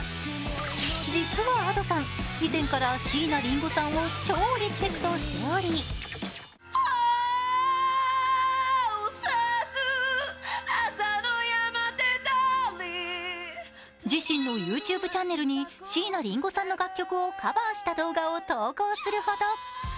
実はＡｄｏさん、以前から椎名林檎さんを超リスペクトしており自身のＹｏｕＴｕｂｅチャンネルに椎名林檎さんの楽曲をカバーした動画を投稿するほど。